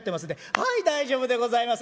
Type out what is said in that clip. はい大丈夫でございます！